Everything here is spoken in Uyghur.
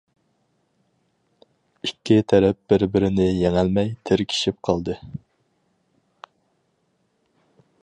ئىككى تەرەپ بىر بىرىنى يېڭەلمەي تىركىشىپ قالدى.